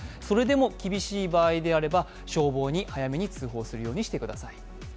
それでも厳しい場合は、消防に早めに通報するようにしてください。